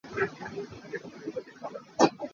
Zilawng puai ah Mandalay ah a kal.